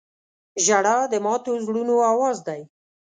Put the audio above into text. • ژړا د ماتو زړونو اواز دی.